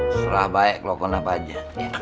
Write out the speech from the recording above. setelah baik lo kenapa aja